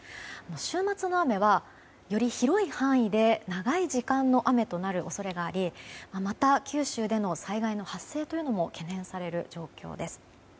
週末の雨は、より広い範囲で長い時間の雨となる恐れがありまた九州での災害の発生も懸念される状況です。